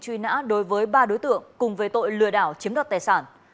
truy nã đối với ba đối tượng cùng về tội lừa đảo chiếm đoạt tài sản